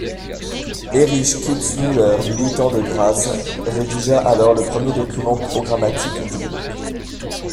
Erich Kitzmüller, militant de Graz, rédigea alors le premier document programmatique du groupe.